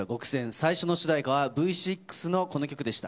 最初の主題歌は、Ｖ６のこの曲でした。